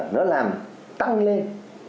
là nó làm tăng lên